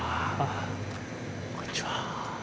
こんにちは。